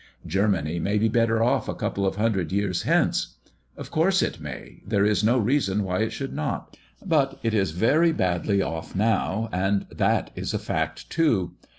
Germany may be better off a couple of hundred years hence. Of course it may, there is no reason why it should not; but it is very badly off now, and that is a fact, too.